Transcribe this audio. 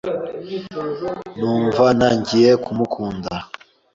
numva ntangiye ku mukunda